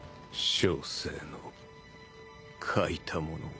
小生の書いたものは